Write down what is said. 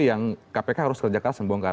yang kpk harus kerja keras dan bongkar